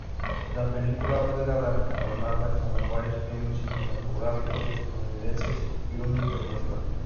La película fue galardonada con varios premios cinematográficos estadounidenses y uno internacional.